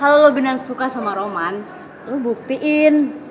kalau lo benar suka sama roman lo buktiin